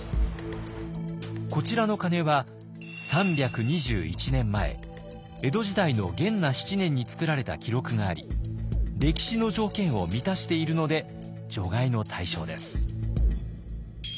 こちらの鐘は３２１年前江戸時代の元和７年に作られた記録があり歴史の条件を満たしているので除外の対象です。